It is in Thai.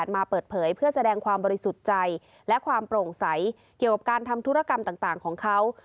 มาเปิดเผยเพื่อแสดงความบริสุทธิ์ใจและความโปร่งใสเกี่ยวกับการทำธุรกรรมต่างของเขา